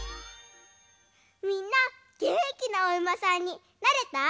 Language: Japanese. みんなげんきなおうまさんになれた？